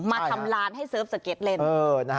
มาทำร้านให้เสิร์ฟสเก็ตเล่น